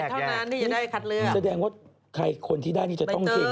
คือปุตุเกตเท่านั้นที่จะได้คัดเลือก